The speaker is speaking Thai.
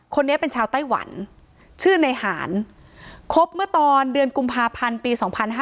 คนนี้เป็นชาวไต้หวันชื่อในหารคบเมื่อตอนเดือนกุมภาพันธ์ปี๒๕๕๙